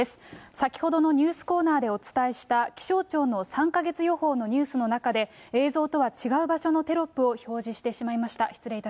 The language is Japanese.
先ほどのニュースコーナーでお伝えした気象庁の３か月予報のニュースの中で、映像とは違う場所のテロップを表示してしまいました。